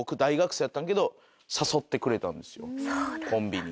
コンビに。